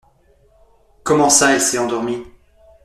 Comment ça elle s'est endormie?